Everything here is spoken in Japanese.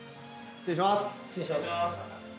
失礼します。